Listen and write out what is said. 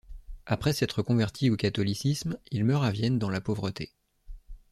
Après s'être converti au catholicisme, il meurt à Vienne dans la pauvreté.